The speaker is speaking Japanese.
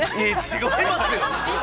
違いますよ。